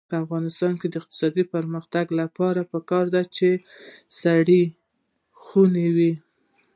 د افغانستان د اقتصادي پرمختګ لپاره پکار ده چې سړې خونې وي.